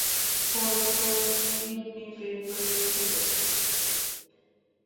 ওর তো কিডনী বের করে বেচে দেবো।